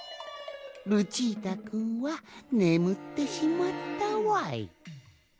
ルチータくんはねむってしまったわい。